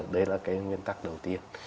đấy là cái nguyên tắc đầu tiên